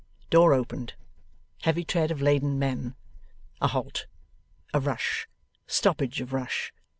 Door opened. Heavy tread of laden men. A halt. A rush. Stoppage of rush.